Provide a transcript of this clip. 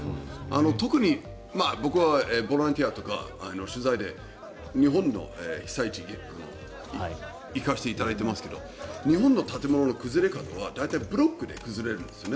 特に僕はボランティアとか取材で日本の被災地に行かせていただいていますが日本の建物の崩れ方は大体ブロックで崩れるんですね。